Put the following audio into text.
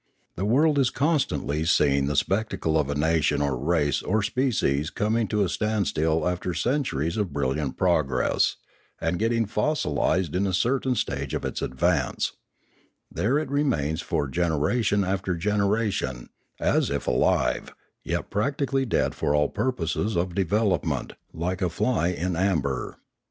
The world is constantly see ing the spectacle of a nation or race or species coming to a standstill after centuries of brilliant progress, and getting fossilised in a certain stage of its advance; there it remains for generation after generation as if alive, yet practically dead for all purposes of develop ment, like a fly in amber.